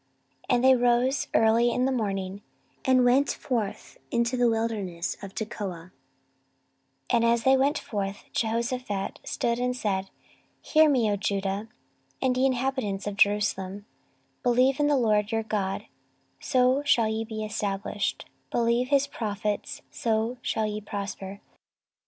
14:020:020 And they rose early in the morning, and went forth into the wilderness of Tekoa: and as they went forth, Jehoshaphat stood and said, Hear me, O Judah, and ye inhabitants of Jerusalem; Believe in the LORD your God, so shall ye be established; believe his prophets, so shall ye prosper.